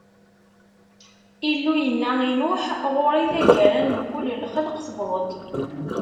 Illu yenna i Nuḥ: Ɣur-i, taggara n mkul lxelq tewweḍ-d.